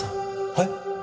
はい？